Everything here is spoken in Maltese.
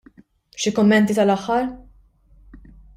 Xi kummenti tal-aħħar?